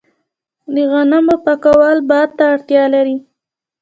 د غنمو پاکول باد ته اړتیا لري.